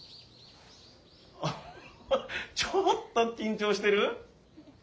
ちょっと緊張してる？